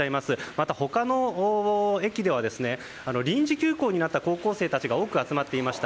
また他の駅では臨時休校になった高校生たちが多く集まっていました。